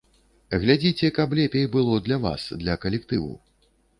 Глядзіце, каб лепей было для вас, для калектыву.